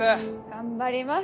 頑張ります！